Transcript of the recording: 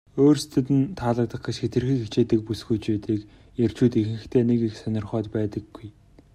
өөрсдөд нь таалагдах гэж хэтэрхий хичээдэг бүсгүйчүүдийг эрчүүд ихэнхдээ нэг их сонирхоод байдаггүй.